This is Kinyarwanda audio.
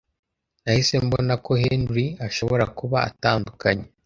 nahise mbona ko Henry ashobora kuba atandukanye